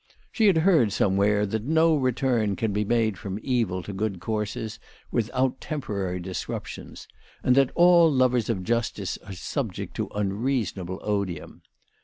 She had heard somewhere that no return can be made from evil to good courses without temporary disruptions, and that all lovers of justice are subject to unreason able odium.